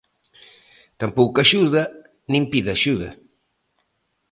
Tampouco axuda nin pide axuda.